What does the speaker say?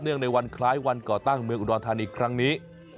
ในวันคล้ายวันก่อตั้งเมืองอุดรธานีครั้งนี้